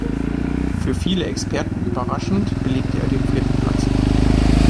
Für viele Experten überraschend belegte er den vierten Platz.